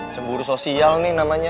cemburu sosial nih namanya